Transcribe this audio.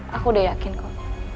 aku udah yakin kok